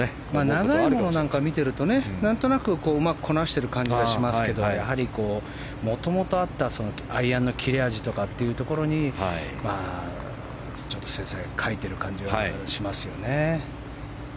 長いものなんかを見てると何となくうまくこなしてる感じがしますけどやはり、もともとあったアイアンの切れ味とかにちょっと精彩を欠いている感じがしますよね。